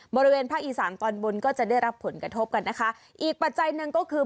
บริเวณภาคอีสานตอนบนก็จะได้รับผลกระทบกันนะคะอีกปัจจัยหนึ่งก็คือ